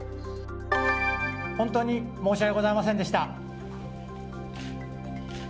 本当に申し訳ございませんでした。